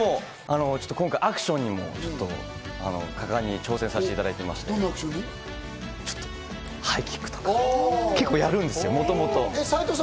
今回、アクションにも果敢に挑戦させていただきまして、ハイキックとか結構やるんですよ、もともと。